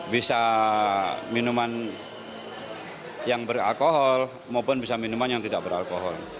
bisa minuman yang beralkohol maupun bisa minuman yang tidak beralkohol